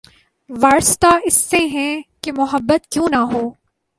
وارستہ اس سے ہیں کہ‘ محبت ہی کیوں نہ ہو